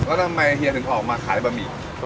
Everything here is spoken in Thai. แล้วทำไมเฮียถึงออกมาขายบะหมี่